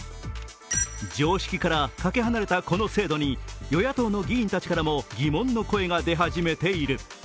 常識からかけ離れたこの制度に、与野党の議員たちからも疑問の声が出始めている。